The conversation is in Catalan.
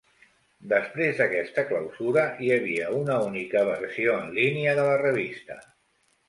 Després d'aquesta clausura hi havia una única versió en línia de la revista.